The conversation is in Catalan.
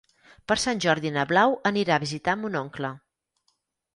Per Sant Jordi na Blau anirà a visitar mon oncle.